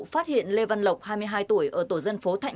phát hiện lê văn lộc hai mươi hai tuổi ở tổ dân phố thạnh